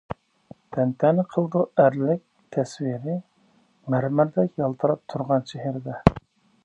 تەنتەنە قىلىدۇ ئەرلىك تەسۋىرى، مەرمەردەك يالتىراپ تۇرغان چېھرىدە.